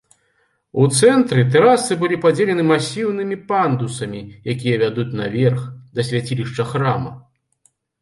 У цэнтры тэрасы былі падзелены масіўнымі пандусамі, якія вядуць наверх, да свяцілішча храма.